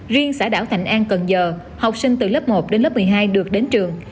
riêng xã đảo thạnh an cần giờ học sinh từ lớp một đến lớp một mươi hai được đến trường